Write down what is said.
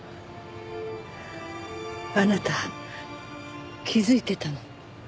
あなた気づいてたの？